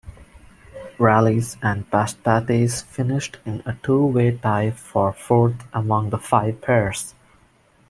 Rallis and Paspatis finished in a two-way tie for fourth among the five pairs.